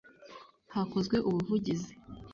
Hakozwe ubuvugizi